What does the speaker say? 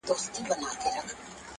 را معلوم به شیخه ستا هلته ایمان سي.